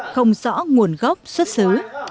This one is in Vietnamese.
không rõ nguồn gốc xuất xứ